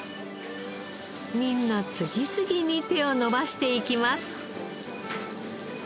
みんな次々に手を伸ばしていきます。